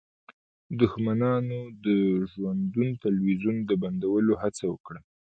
دښمنانو د ژوندون تلویزیون د بندولو هڅه وکړه